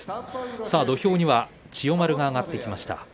土俵には千代丸が上がってきました。